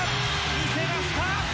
見せました！